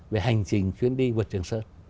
về hành trình chuyến đi vượt trường sơn